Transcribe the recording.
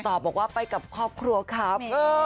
บอกว่าไปกับครอบครัวครับ